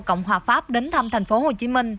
cộng hòa pháp đến thăm tp hcm